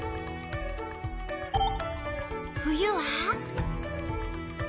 冬は？